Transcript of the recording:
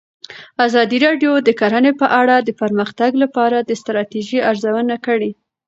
ازادي راډیو د کرهنه په اړه د پرمختګ لپاره د ستراتیژۍ ارزونه کړې.